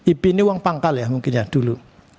ip ini uang pangkal ya mungkin ya dulu